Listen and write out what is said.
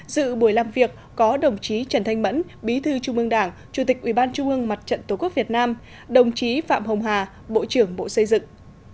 dự buổi làm việc có đồng chí trần thanh mẫn bí thư trung ương đảng chủ tịch ủy ban trung ương mặt trận tổ quốc việt nam đồng chí phạm hồng hà bộ trưởng bộ xây dựng